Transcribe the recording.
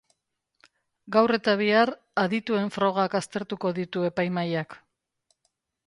Gaur eta bihar adituen frogak aztertuko ditu epaimahaiak.